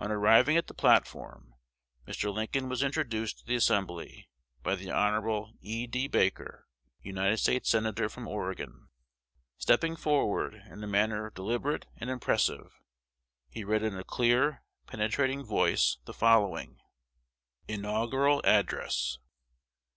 On arriving at the platform, Mr. Lincoln was introduced to the assembly, by the Hon. E. D. Baker, United States Senator from Oregon. Stepping forward, in a manner deliberate and impressive, he read in a clear, penetrating voice, the following INAUGURAL ADDRESS.